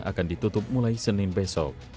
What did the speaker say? akan ditutup mulai senin besok